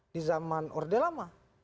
di zaman orde lama